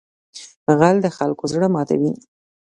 غل د خلکو زړه ماتوي